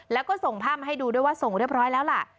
แล้วก็ส่งภาพมาให้ดูด้วยว่าส่งเรียบร้อยแล้วล่ะ